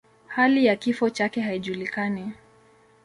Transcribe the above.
Hali ya kifo chake haijulikani.